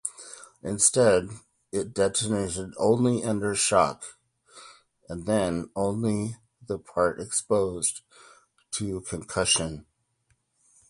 Instead, it detonated only under shock, and then only the part exposed to concussion.